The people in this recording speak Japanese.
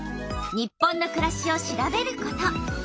「日本のくらし」を調べること。